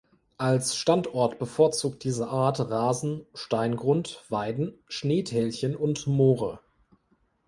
Als Standort bevorzugt diese Art Rasen, Steingrund, Weiden, Schneetälchen und Moore.